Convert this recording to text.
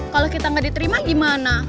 kalau kita nggak diterima gimana